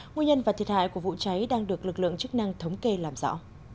nguyên nhân và thiệt hại của vụ cháy đang được lực lượng chức năng thống kê làm rõ